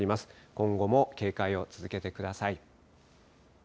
今後も警戒を続けてください。